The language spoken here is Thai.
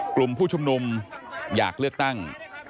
กลุ่มผู้ชุมนุมอยากเลือกตั้ง